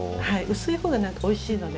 薄い方がおいしいので。